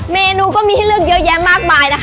เมนูก็มีที่เลือกเยอะแยะมากมาย